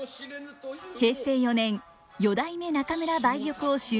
平成４年四代目中村梅玉を襲名します。